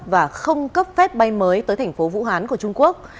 và không cấp phép bay mới tới thành phố vũ hán của trung quốc